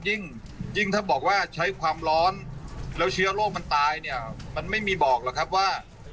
ยิ่งถ้าบอกว่าใช้ความร้อนแล้วเชื้อโรคมันตายเนี่ยมันไม่มีบอกหรอกครับว่า